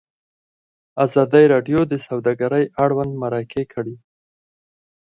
ازادي راډیو د سوداګري اړوند مرکې کړي.